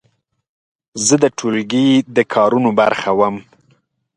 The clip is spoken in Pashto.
زه د ټولګي د کارونو برخه یم.